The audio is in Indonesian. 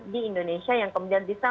di indonesia yang kemudian bisa